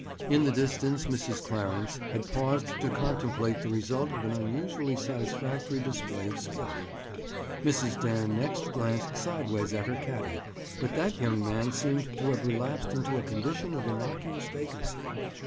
In the distance Mrs. Clarence had paused to contemplate the result of an unusually satisfactory display of skill. Mrs. Dan next glanced sidewise at her caddy, but that young man seemed to have relapsed into a condition of innocuous vacancy.